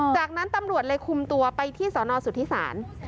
จากนั้นตำรวจเลยคุมตัวไปที่สนสุธิศาล